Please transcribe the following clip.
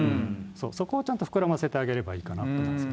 そこをちゃんと膨らませてあげればいいかなと思います。